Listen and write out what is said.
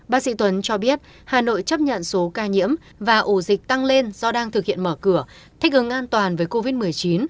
bác sĩ tuấn cho biết hà nội chấp nhận số ca nhiễm và ổ dịch tăng lên do đang thực hiện mở cửa thích ứng an toàn với covid một mươi chín